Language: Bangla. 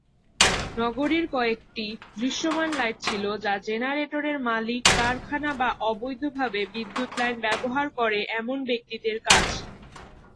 নগরীর কয়েকটি দৃশ্যমান লাইট ছিল যা জেনারেটরের মালিক, কারখানা বা অবৈধভাবে বিদ্যুৎ লাইন ব্যবহার করে এমন ব্যক্তিদের কাছ।